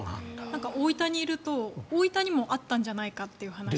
大分にいると、大分にもあったんじゃないかって話が。